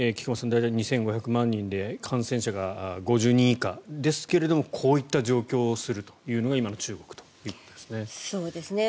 大体２５００万人で感染者が５０人以下ですけどもこういった状況というのが今の中国ということですね。